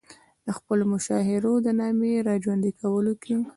د خپلو مشاهیرو د نامې را ژوندي کولو کې.